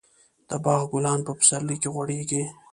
د باغ ګلان په پسرلي کې غوړېږي.